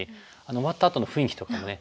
終わったあとの雰囲気とかもね。